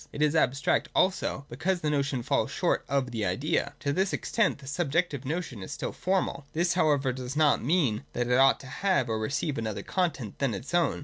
It is abstract also, because the notion falls short of the idea. To this extent the sub jective notion is still formal. This however does not mean that it ought to have or receive another content than its own.